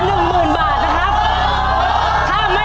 มีมูลภาพ๑๐๐๐๐บาทนะครับ